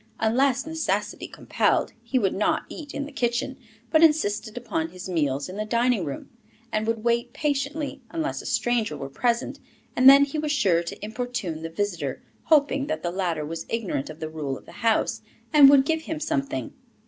Unless necessity compelled, he would not eat in the kitchen, but insisted upon his meals in the dining room, and would wait patiently, unless a stranger were present; and then he was sure to importune the visitor, hoping that the latter was ignorant of the rule of the house, and would give him something.